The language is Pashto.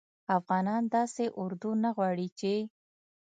افغانان داسي اردو نه غواړي چې